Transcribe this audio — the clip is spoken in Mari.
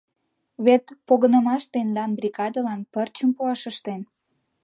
Вет погынымаш тендан бригадылан пырчым пуаш ыштен?